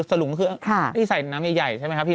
สลุงคือค่ะสถานีใส่น้ำใหญ่ใหญ่ใช่ไหมครับ